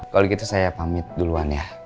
kalau gitu saya pamit duluan ya